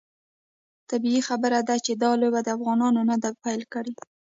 طبیعي خبره ده چې دا لوبه افغانانو نه ده پیل کړې.